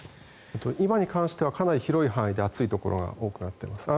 今に関してはかなり広い範囲で暑いところが多くなっています。